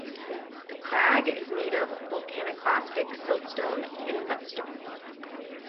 The crag is made of volcaniclastic siltstone and mudstone.